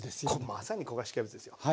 まさに焦がしキャベツですよ。